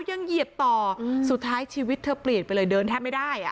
เหยียบต่อสุดท้ายชีวิตเธอเปลี่ยนไปเลยเดินแทบไม่ได้อ่ะ